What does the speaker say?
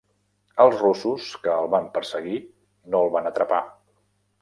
Els russos que el van perseguir no el van atrapar.